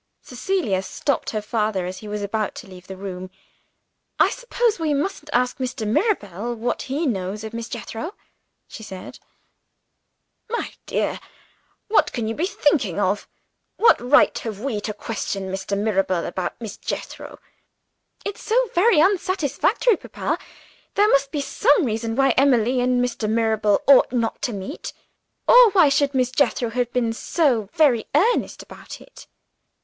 Cecilia stopped her father as he was about to leave the room. "I suppose we mustn't ask Mr. Mirabel what he knows of Miss Jethro?" she said. "My dear, what can you be thinking of? What right have we to question Mr. Mirabel about Miss Jethro?" "It's so very unsatisfactory, papa. There must be some reason why Emily and Mr. Mirabel ought not to meet or why should Miss Jethro have been so very earnest about it?"